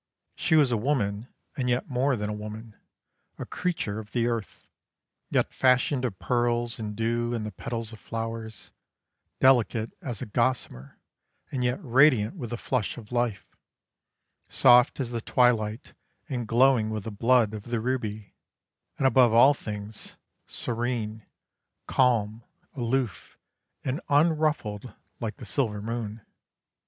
She was a woman, and yet more than a woman, a creature of the earth, yet fashioned of pearls and dew and the petals of flowers: delicate as a gossamer, and yet radiant with the flush of life, soft as the twilight, and glowing with the blood of the ruby; and, above all things, serene, calm, aloof, and unruffled like the silver moon.